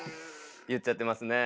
言っちゃってますねえ。